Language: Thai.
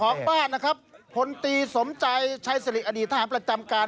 เจ้าของบ้านนะครับผลตีสมใจใช้สลิคอดีตภาพประจำการ